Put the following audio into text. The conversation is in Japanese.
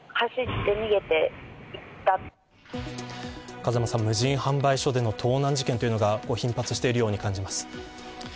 風間さん、無人販売所での盗難事件が頻発しているように感じます。